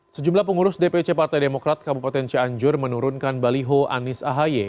sejumlah pengurus dpc partai demokrat kabupaten cianjur menurunkan baliho anies ahaye